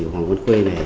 hoàng văn khê